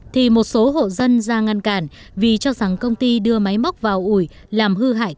thì một số hộ dân ra ngăn cản vì cho rằng công ty đưa máy móc vào ủi làm hư hại